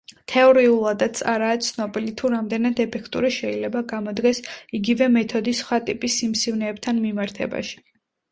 თეორიულადაც არაა ცნობილი, თუ რამდენად ეფექტური შეიძლება გამოდგეს იგივე მეთოდი სხვა ტიპის სიმსივნეებთან მიმართებაში.